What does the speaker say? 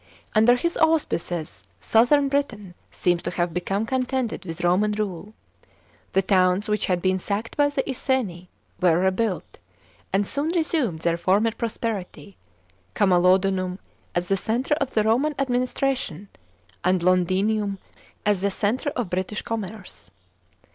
Under his auspices southern Britain seems to have become contented with Roman rule. The towns which had been sacked by the Iceni, were rebuilt, and soon resumed their former prosperity — Camalo lunum, as the centre of the Roman ad ministration, and Londinium, as the centre of British commerce.